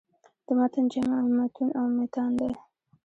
د متن جمع "مُتون" او "مِتان" ده.